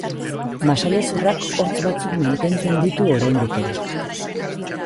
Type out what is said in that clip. Masailezurrak hortz batzuk mantentzen ditu oraindik ere.